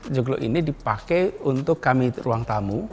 joglo ini dipakai untuk kami ruang tamu